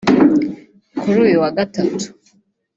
kuri uyu wa Gatatu